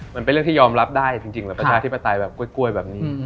มันเป็นเรื่องที่ยอมรับได้จริงเหรอประชาธิปไตยแบบกล้วยแบบนี้